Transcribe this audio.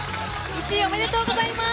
１位、おめでとうございます！